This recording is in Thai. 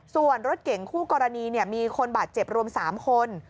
ส่วนรถเก่งคู่กรณีมีคนบาดเจ็บรวม๓คน